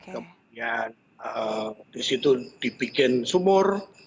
kemudian di situ dibikin sumur